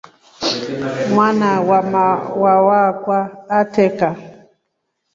Mwana wamavava akwa atreka.